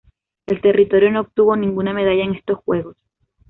El territorio no obtuvo ninguna medalla en estos Juegos.